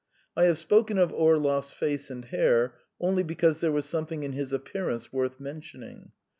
I have spoken of Orlov's face and hair only because there was something in his appearance worth mentioning.